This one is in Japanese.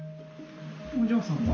お嬢さんは？